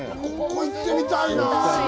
ここ、行ってみたいなぁ！